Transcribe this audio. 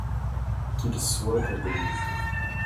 qu'il soit indemnisé.